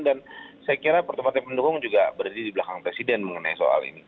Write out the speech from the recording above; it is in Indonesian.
dan saya kira partai pendukung juga berdiri di belakang presiden mengenai soal ini